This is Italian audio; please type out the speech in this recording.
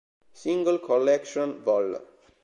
Single Collection Vol.